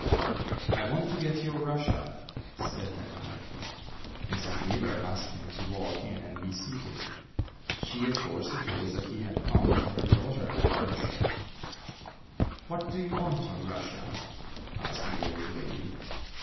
"I want to get your Russia," said the hatter. Mrs. Wheeler asked him to walk in and be seated. She, of course, supposed that he had come for her daughter "Rushia." "What do you want of Rushia?" asked the old lady.